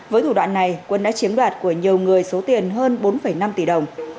với thủ đoạn này quân đã chiếm đoạt của nhiều người số tiền hơn bốn năm tỷ đồng